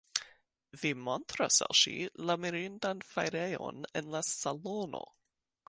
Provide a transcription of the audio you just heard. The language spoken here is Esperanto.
Vi montras al ŝi la mirindan fajrejon en la salono.